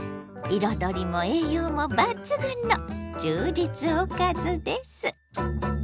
彩りも栄養も抜群の充実おかずです。